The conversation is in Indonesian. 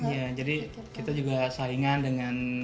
iya jadi kita juga saingan dengan